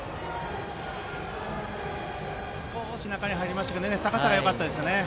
少し中に入ったので高さがよかったですね。